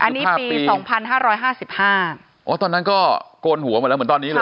อันนี้ปี๒๕๕๕อ๋อตอนนั้นก็โกนหัวหมดแล้วเหมือนตอนนี้เลย